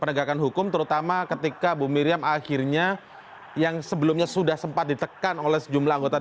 penegakan hukum terutama ketika bu miriam akhirnya yang sebelumnya sudah sempat ditekan oleh sejumlah anggota